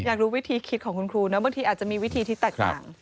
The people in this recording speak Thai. อยากรู้วิธีคิดของคุณครูนะบางทีอาจจะมีวิธีที่แตกต่าง